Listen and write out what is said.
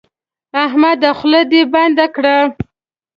احمده خوله دې بنده کړه.